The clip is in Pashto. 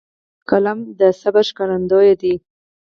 قلم د صبر ښکارندوی دی